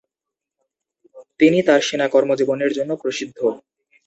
তিনি তার সেনা কর্মজীবনের জন্য প্রসিদ্ধ।